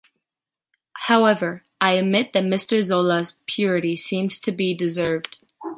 However, I admit that Mister Zola’s purity seems to be deserved.